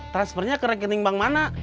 transfernya ke rekening bank mana